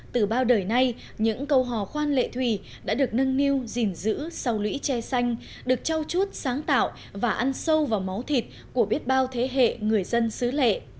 từ bao đời nay những câu hò khoan lệ thủy đã được nâng niu dình giữ sầu lũy che xanh được trau chút sáng tạo và ăn sâu vào máu thịt của biết bao thế hệ người dân xứ lệ